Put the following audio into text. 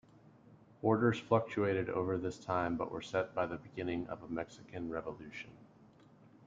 Borders fluctuated over this time but were set by the beginning of Mexican Revolution.